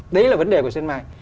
đấy là vấn đề của sân mai